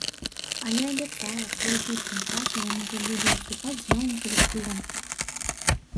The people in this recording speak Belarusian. Але абяцае, што ў хуткім часе ён ужо будзе выступаць з новым калектывам.